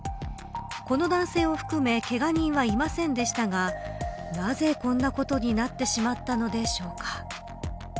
この男性を含めけが人はいませんでしたがなぜこんなことになってしまったのでしょうか。